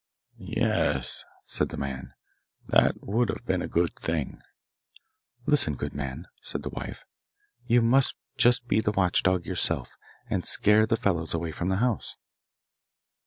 'Yes,' said the man, 'that would have been a good thing.' 'Listen, good man,' said the wife, 'you must just be the watchdog yourself, and scare the fellows away from the house.